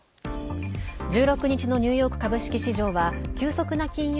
１６日のニューヨーク株式市場は急速な金融